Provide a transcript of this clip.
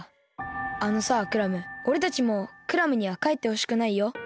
あのさクラムおれたちもクラムにはかえってほしくないよ。